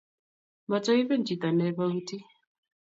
Matuibin chito ne bokiti